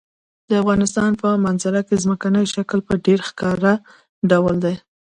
د افغانستان په منظره کې ځمکنی شکل په ډېر ښکاره ډول دی.